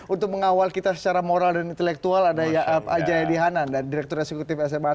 untuk mengawal kita secara moral dan intelektual ada yaya dihanan dan direktur resikutif sma